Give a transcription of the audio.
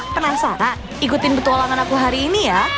penasaran ikutin petualangan aku hari ini ya